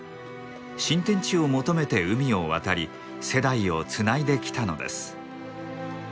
新天地を求めて海を渡り世代をつないできたのです。